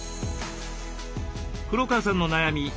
黒川さんの悩み